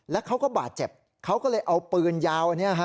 แล้วเขาก็บาดเจ็บเขาก็เลยเอาปืนยาว